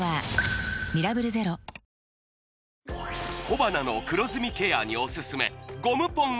小鼻の黒ずみケアにおすすめゴムポン